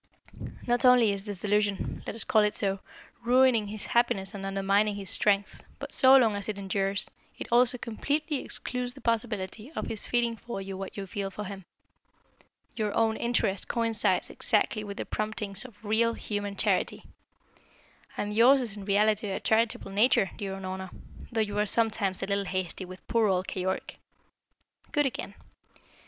Not only is this delusion let us call it so ruining his happiness and undermining his strength, but so long as it endures, it also completely excludes the possibility of his feeling for you what you feel for him. Your own interest coincides exactly with the promptings of real, human charity. And yours is in reality a charitable nature, dear Unorna, though you are sometimes a little hasty with poor old Keyork. Good again.